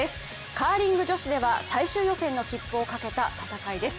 カーリング女子では最終予選の切符をかけた戦いです。